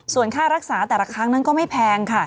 ส่วนค่ารักษาแต่ละครั้งนั้นก็ไม่แพงค่ะ